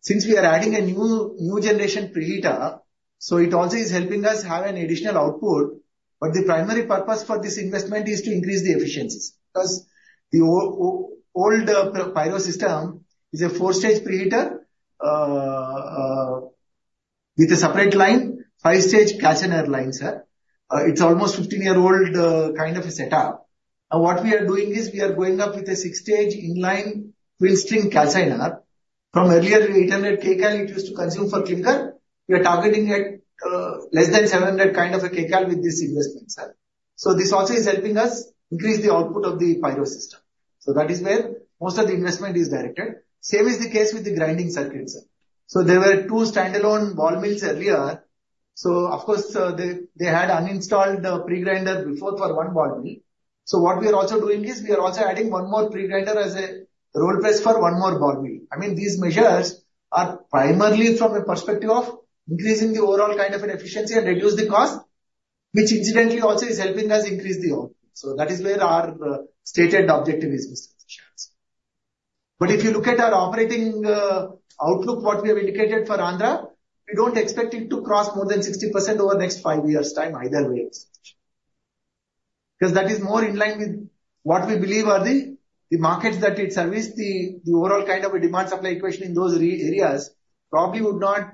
C: Since we are adding a new generation preheater, so it also is helping us have an additional output, but the primary purpose for this investment is to increase the efficiencies. Because the old pyro system is a 4-stage preheater with a separate line, 5-stage calciner line, sir. It's almost 15-year-old kind of a setup. Now, what we are doing is we are going up with a 6-stage in-line full stream calciner. From earlier 800 kCal it used to consume for clinker, we are targeting at less than 700 kind of a kCal with this investment, sir. So this also is helping us increase the output of the pyro system. So that is where most of the investment is directed. Same is the case with the grinding circuit, sir. So there were two standalone ball mills earlier. So of course, they had installed the pre-grinder before for one ball mill. So what we are also doing is, we are also adding one more pre-grinder as a roll press for one more ball mill. I mean, these measures are primarily from a perspective of increasing the overall kind of an efficiency and reduce the cost, which incidentally also is helping us increase the output. So that is where our stated objective is, Mr. Tushar. But if you look at our operating outlook, what we have indicated for Andhra, we don't expect it to cross more than 60% over the next five years' time either way. Because that is more in line with what we believe are the markets that it services, the overall kind of a demand-supply equation in those areas probably would not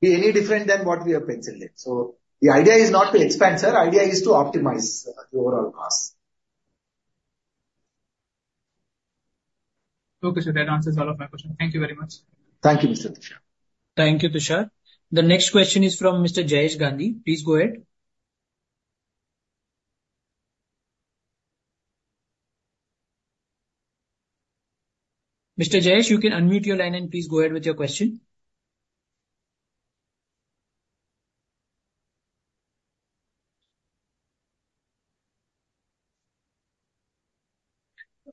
C: be any different than what we have penciled in. So the idea is not to expand, sir, the idea is to optimize the overall cost.
L: Okay, sir, that answers all of my questions. Thank you very much.
C: Thank you, Mr. Tushar.
A: Thank you, Tushar. The next question is from Mr. Jayesh Gandhi. Please go ahead. Mr. Jayesh, you can unmute your line, and please go ahead with your question.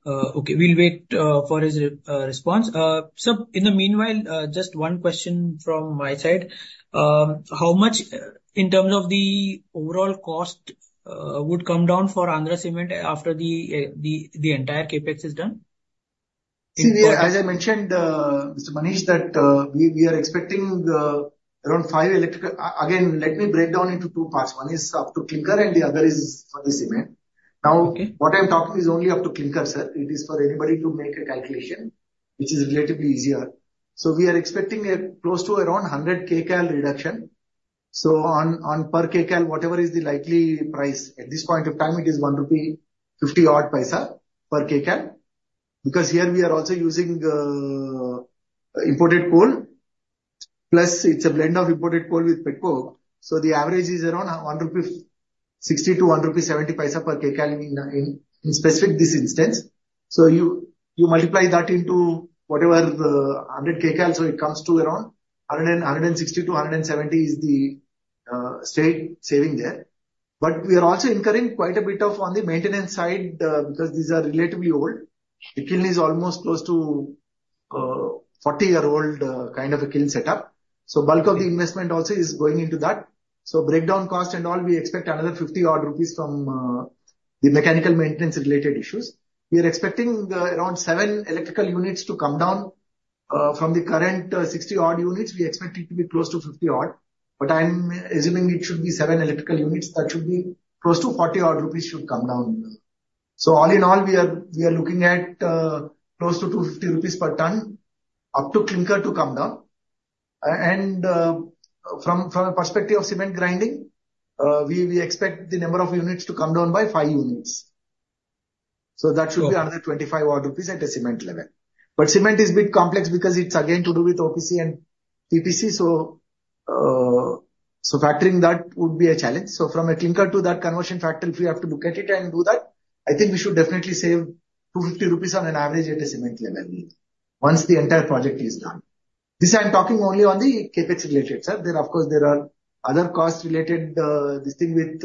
A: Okay, we'll wait for his response. So in the meanwhile, just one question from my side. How much, in terms of the overall cost, would come down for Andhra Cement after the entire CapEx is done?
C: See, as I mentioned, Mr. Manish, that, we, we are expecting, around five electrical A, again, let me break down into two parts. One is up to clinker, and the other is for the cement.
A: Okay.
C: Now, what I'm talking is only up to clinker, sir. It is for anybody to make a calculation, which is relatively easier. So we are expecting a close to around 100 kCal reduction. So on, on per kCal, whatever is the likely price. At this point of time, it is 1.50-odd rupee per kCal, because here we are also using imported coal, plus it's a blend of imported coal with petcoke, so the average is around 1.60 rupee to 1.70 rupee per kCal in, in, in specific this instance. So you, you multiply that into whatever the 100 kCals, so it comes to around 160 to 170 is the saving there. But we are also incurring quite a bit of on the maintenance side, because these are relatively old. The kiln is almost close to 40-year-old kind of a kiln setup, so bulk of the investment also is going into that. So breakdown cost and all, we expect another 50-odd rupees from the mechanical maintenance-related issues. We are expecting around 7 electrical units to come down. From the current 60-odd units, we expect it to be close to 50-odd, but I'm assuming it should be 7 electrical units, that should be close to 40-odd rupees should come down. So all in all, we are looking at close to 250 rupees per ton up to clinker to come down. And from a perspective of cement grinding, we expect the number of units to come down by 5 units. So that should be another 25-odd rupees at a cement level. But cement is a bit complex because it's again to do with OPC and PPC, so factoring that would be a challenge. So from a clinker to that conversion factor, if we have to look at it and do that, I think we should definitely save 250 rupees on average at a cement level, once the entire project is done. This I'm talking only on the CapEx related, sir. Then, of course, there are other costs related, this thing with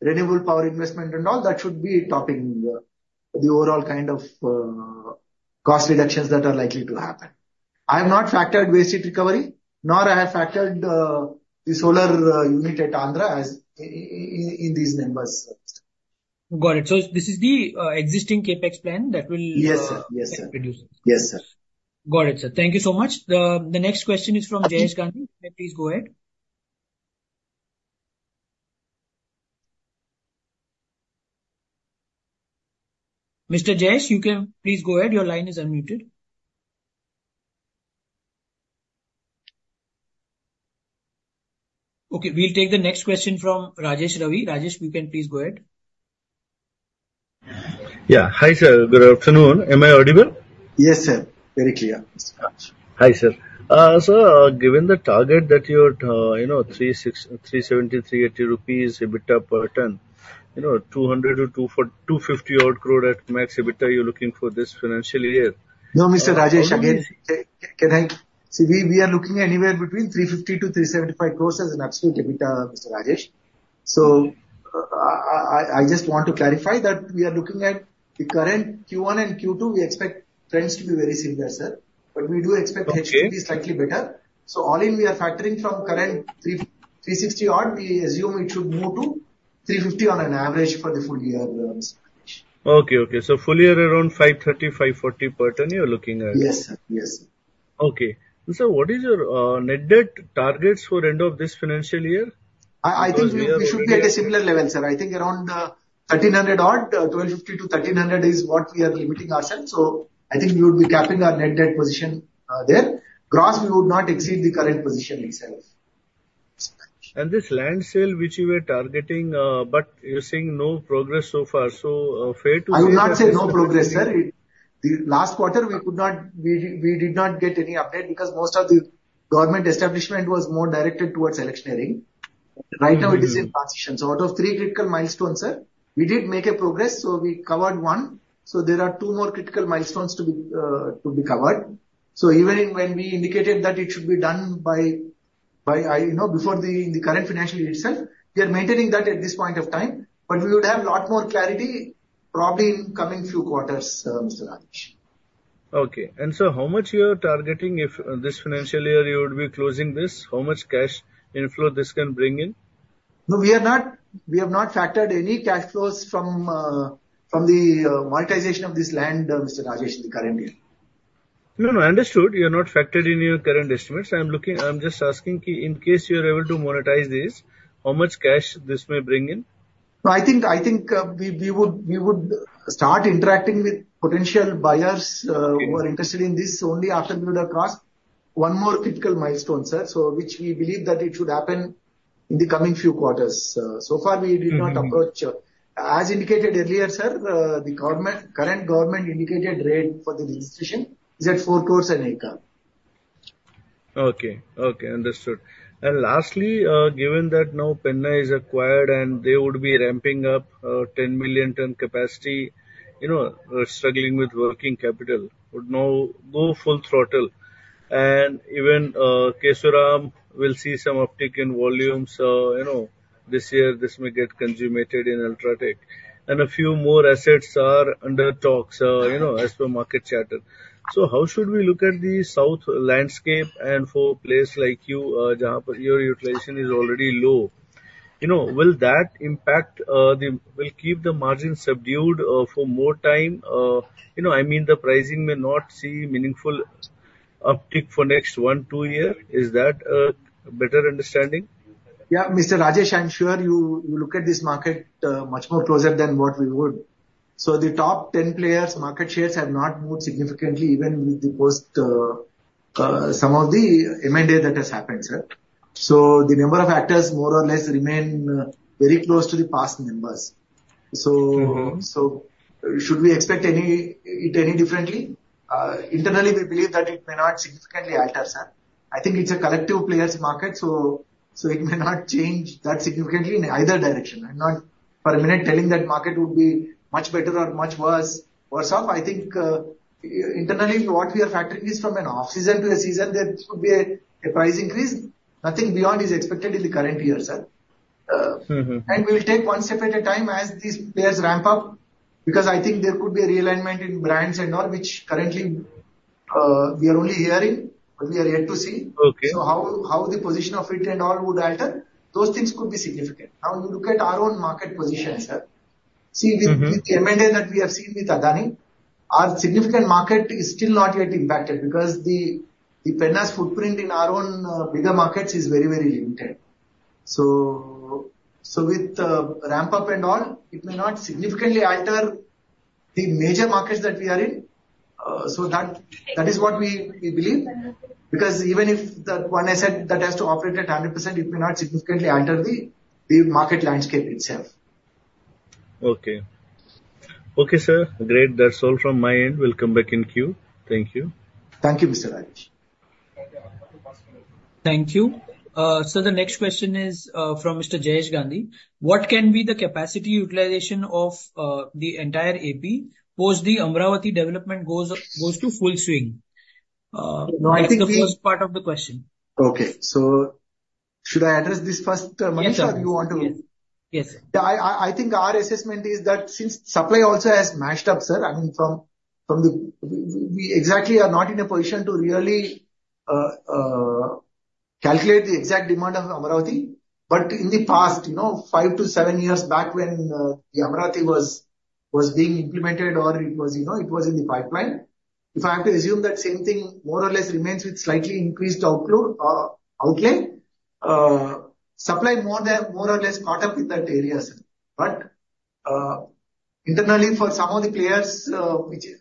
C: renewable power investment and all that should be topping the overall kind of cost reductions that are likely to happen. I have not factored waste heat recovery, nor I have factored the solar unit at Andhra as in these numbers.
A: Got it. So this is the existing CapEx plan that will
C: Yes, sir. Yes, sir.
A: reduce?
C: Yes, sir.
A: Got it, sir. Thank you so much. The next question is from Jayesh Gandhi. Please go ahead. Mr. Jayesh, you can please go ahead. Your line is unmuted. Okay, we'll take the next question from Rajesh Ravi. Rajesh, you can please go ahead.
M: Yeah. Hi, sir. Good afternoon. Am I audible?
C: Yes, sir. Very clear.
M: Hi, sir. So, given the target that you're, you know, 360, 370, 380 rupees EBITDA per ton, you know, 200 to 240, 250 odd crore at max EBITDA, you're looking for this financial year.
C: No, Mr. Rajesh, again, can I? See, we are looking anywhere between 350 crores to 375 crores as an absolute EBITDA, Mr. Rajesh. So, I just want to clarify that we are looking at the current Q1 and Q2, we expect trends to be very similar, sir, but we do expect-
M: Okay.
C: H2 to be slightly better. So all in, we are factoring from current 360 odd, we assume it should move to 350 on an average for the full year, Mr. Rajesh.
M: Okay, okay. So full year around 530 to 540 per ton, you're looking at?
C: Yes, sir. Yes.
M: Okay. Sir, what is your net debt targets for end of this financial year?
C: I think we-
M: We are maybe.
C: -we should be at a similar level, sir. I think around 1,300 odd, 1,250 to 1,300 is what we are limiting ourselves, so I think we would be capping our net debt position there. Gross, we would not exceed the current position itself.
M: This land sale, which you were targeting, but you're seeing no progress so far, so, fair to say-
C: I would not say no progress, sir. It. The last quarter, we could not, we did not get any update because most of the government establishment was more directed towards electioneering.
M: Mm-hmm.
C: Right now, it is in transition. So out of three critical milestones, sir, we did make a progress, so we covered one. So there are two more critical milestones to be covered. So even when we indicated that it should be done by, you know, before the current financial year itself, we are maintaining that at this point of time, but we would have a lot more clarity probably in coming few quarters, Mr. Rajesh.
M: Okay. And so how much you are targeting if this financial year you would be closing this? How much cash inflow this can bring in?
C: No, we are not, we have not factored any cash flows from the monetization of this land, Mr. Rajesh, in the current year.
M: No, no, understood. You have not factored in your current estimates. I'm looking, I'm just asking, in case you are able to monetize this, how much cash this may bring in?
C: No, I think we would start interacting with potential buyers who are interested in this only after we would have crossed one more critical milestone, sir. So we believe that it should happen in the coming few quarters. So far, we did not approach. As indicated earlier, sir, the current government indicated rate for the registration is at 4 crores an acre.
M: Okay, okay, understood. And lastly, given that now Penna is acquired and they would be ramping up, 10 million ton capacity, you know, we're struggling with working capital, would now go full throttle, and even, Kesoram will see some uptick in volumes. You know, this year, this may get consummated in UltraTech, and a few more assets are under talks, you know, as per market chatter. So how should we look at the South landscape, and for a place like you, your utilization is already low. You know, will that impact, the... will keep the margin subdued, for more time? You know, I mean, the pricing may not see meaningful uptick for next one, two year. Is that a better understanding?
C: Yeah, Mr. Rajesh, I'm sure you, you look at this market much more closer than what we would. So the top ten players market shares have not moved significantly even with the post, some of the M&A that has happened, sir. So the number of actors more or less remain very close to the past numbers. So,
M: Mm-hmm.
C: So should we expect any, it any differently? Internally, we believe that it may not significantly alter, sir. I think it's a collective players market, so, so it may not change that significantly in either direction. I'm not for a minute telling that market would be much better or much worse, worse off. I think internally, what we are factoring is from an off-season to a season, there could be a, a price increase. Nothing beyond is expected in the current year, sir.
M: Mm-hmm.
C: We'll take one step at a time as these players ramp up, because I think there could be a realignment in brands and all, which currently, we are only hearing, but we are yet to see.
M: Okay.
C: So how the position of it and all would alter, those things could be significant. Now, you look at our own market position, sir.
M: Mm-hmm.
C: See, the M&A that we have seen with Adani, our significant market is still not yet impacted because the, the Penna's footprint in our own, bigger markets is very, very limited. So, so with the ramp up and all, it may not significantly alter the major markets that we are in. So that, that is what we, we believe, because even if the one asset that has to operate at 100%, it may not significantly alter the, the market landscape itself.
M: Okay. Okay, sir. Great. That's all from my end. We'll come back in queue. Thank you.
C: Thank you, Mr. Rajesh.
A: Thank you. So the next question is from Mr. Jayesh Gandhi: What can be the capacity utilization of the entire AP, post the Amaravati development goes to full swing?
C: No, I think the
A: That's the first part of the question.
C: Okay. So should I address this first, Manish?
A: Yes, sir.
C: Or do you want to?
A: Yes. Yes.
C: I think our assessment is that since supply also has matched up, sir, I mean, from the, we exactly are not in a position to really calculate the exact demand of Amaravati, but in the past, you know, five to seven years back when the Amaravati was being implemented or it was, you know, it was in the pipeline, if I have to assume that same thing, more or less remains with slightly increased outflow, outlay. Supply more or less caught up with that area, sir. But, internally, for some of the players,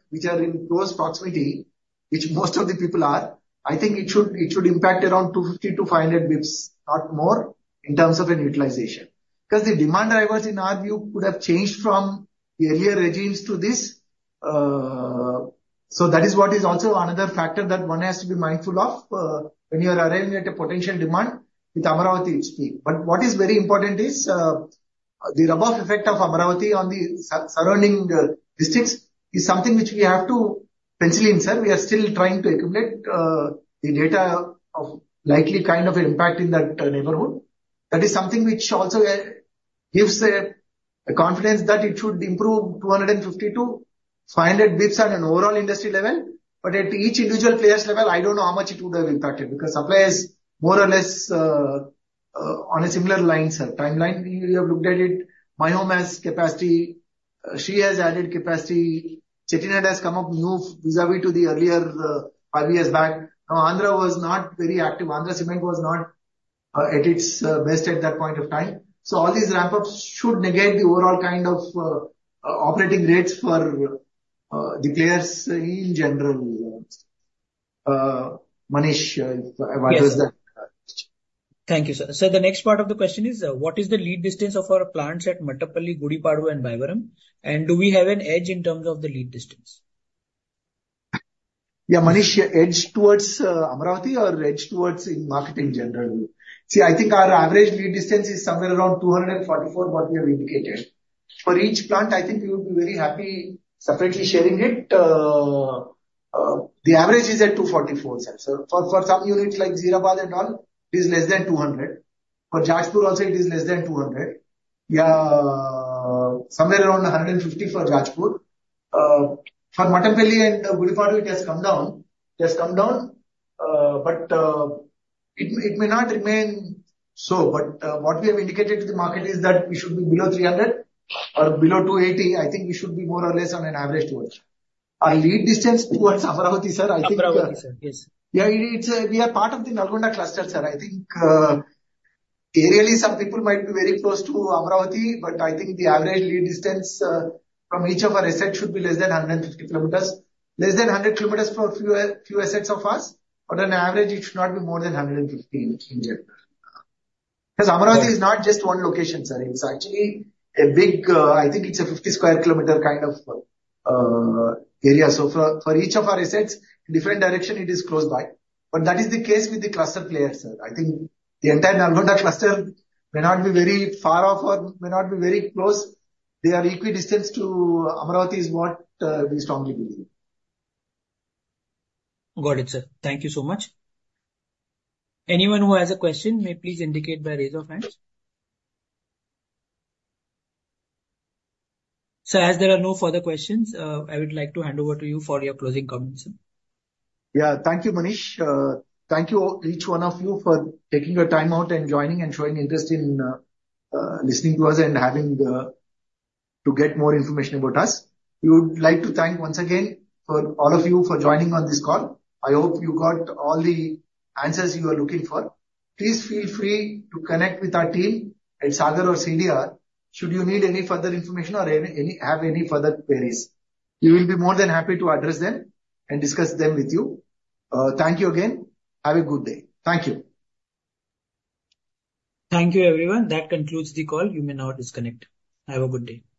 C: which are in close proximity, which most of the people are, I think it should impact around 250 to 500 basis points, not more, in terms of an utilization. Because the demand drivers, in our view, could have changed from the earlier regimes to this. So that is what is also another factor that one has to be mindful of, when you are arranging at a potential demand with Amaravati speed. But what is very important is, the rub-off effect of Amaravati on the surrounding, districts, is something which we have to pencil in, sir. We are still trying to accumulate, the data of likely kind of impact in that, neighborhood. That is something which also, gives a, a confidence that it should improve 250 to 500 bps on an overall industry level. But at each individual players level, I don't know how much it would have impacted, because supply is more or less, on a similar line, sir. Timeline, we have looked at it. My Home has capacity. They have added capacity. Chettinad has come up new vis-à-vis to the earlier five years back. Now, Andhra was not very active. Andhra Cement was not at its best at that point of time. So all these ramp-ups should negate the overall kind of operating rates for the players in general. Manish, address that.
A: Yes. Thank you, sir. Sir, the next part of the question is: What is the lead distance of our plants at Mattampally, Gudipadu and Bayyavaram, and do we have an edge in terms of the lead distance?
C: Yeah, Manish, edge towards Amaravati or edge towards in marketing generally? See, I think our average lead distance is somewhere around 244, what we have indicated. For each plant, I think we would be very happy separately sharing it. The average is at 244, sir. So for some units, like Jeerabad and all, it is less than 200. For Jajpur also, it is less than 200. Somewhere around 150 for Jajpur. For Mattampally and Gudipadu, it has come down. It has come down, but it may not remain so, but what we have indicated to the market is that we should be below 300 or below 280. I think we should be more or less on an average towards. Our lead distance towards Amaravati, sir, I think,
A: Amaravati, sir, yes.
C: Yeah, it's we are part of the Nalgonda cluster, sir. I think areally, some people might be very close to Amaravati, but I think the average lead distance from each of our assets should be less than 150 kilometers. Less than 100 kilometers for few, few assets of us, but on average, it should not be more than 150 in general. Because Amaravati is not just one location, sir. It's actually a big I think it's a 50 sq km kind of area. So for, for each of our assets, different direction, it is close by. But that is the case with the cluster players, sir. I think the entire Nalgonda cluster may not be very far off or may not be very close. They are equidistant to Amaravati, is what we strongly believe.
A: Got it, sir. Thank you so much. Anyone who has a question may please indicate by raise of hands. Sir, as there are no further questions, I would like to hand over to you for your closing comments, sir.
C: Yeah. Thank you, Manish. Thank you, each one of you, for taking your time out and joining and showing interest in listening to us and having to get more information about us. We would like to thank once again for all of you for joining on this call. I hope you got all the answers you are looking for. Please feel free to connect with our team at Sagar or CDR, should you need any further information or have any further queries. We will be more than happy to address them and discuss them with you. Thank you again. Have a good day. Thank you.
A: Thank you, everyone. That concludes the call. You may now disconnect. Have a good day.